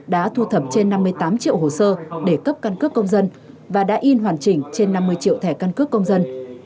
đã thu thập trên năm mươi tám triệu hồ sơ để cấp căn cước công dân và đã in hoàn chỉnh trên năm mươi triệu thẻ căn cước công dân